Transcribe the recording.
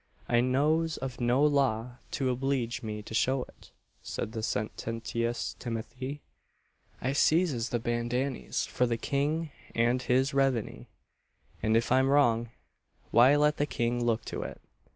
"I knows of no law to obleege me to show it," said the sententious Timothy. "I seizes the bandannies for the king and his revenny, and if I'm wrong, why let the king look to it.